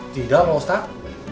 tidak pak ustaz